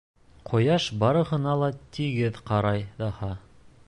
Ҡояш барыһына ла тигеҙ ҡарай ҙаһа.